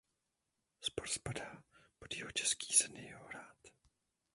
Sbor spadá pod Jihočeský seniorát.